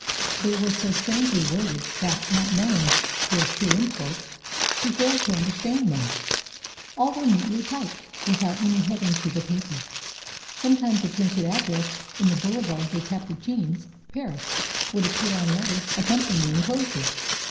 They were so strangely worded that, not knowing their true import, she failed to understand them. All were neatly typed, without any heading to the paper. Sometimes a printed address in the Boulevard des Capucines, Paris, would appear on letters accompanying the enclosures.